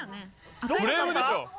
フレームでしょ。